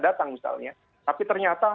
datang misalnya tapi ternyata